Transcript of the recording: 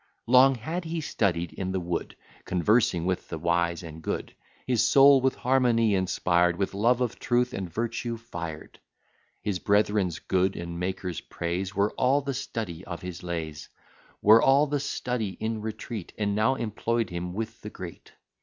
Long had he studied in the wood, Conversing with the wise and good: His soul with harmony inspired, With love of truth and virtue fired: His brethren's good and Maker's praise Were all the study of his lays; Were all his study in retreat, And now employ'd him with the great.